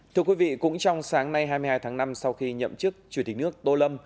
thưa quý vị cũng trong sáng nay hai mươi hai tháng năm sau khi nhậm chức chủ tịch nước tô lâm